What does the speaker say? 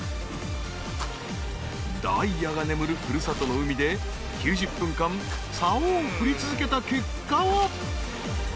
［ダイヤが眠る故郷の海で９０分間さおを振り続けた結果は？］